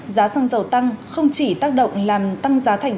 giá xăng dầu tăng không chỉ tác động làm tăng giá thành